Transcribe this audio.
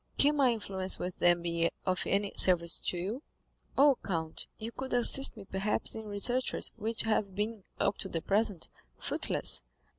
"Can my influence with them be of any service to you?" "Oh, count, you could assist me perhaps in researches which have been, up to the present, fruitless.